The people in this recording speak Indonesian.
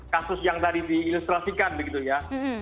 kasus yang tadi diilustrasikan begitu ya